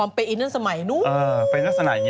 ปอมเปอีนั่นสมัยนู้น